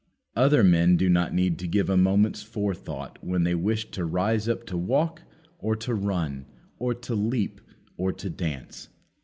Other men do not need to give a moment's forethought when they wish to rise up to walk, or to run, or to leap, or to dance.